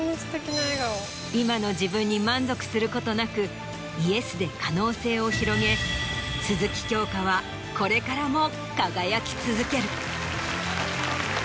今の自分に満足することなく「ＹＥＳ」で可能性を広げ鈴木京香はこれからも。